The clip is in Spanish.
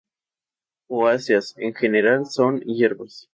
Poáceas: En general son hierbas.